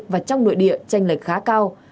và trong nội địa tranh lệch khá cao